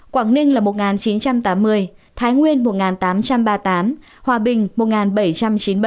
quảng ninh là một chín trăm tám mươi thái nguyên một tám trăm ba mươi tám hòa bình một bảy trăm ba mươi chín